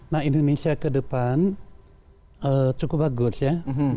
nah indonesia ke depan cukup bagus ya